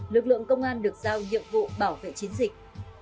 lực lượng công an được giao nhiệm vụ bảo vệ chiến dịch